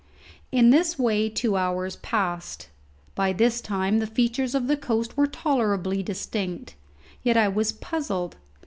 In this way two hours passed. By this time the features of the coast were tolerably distinct. Yet I was puzzled.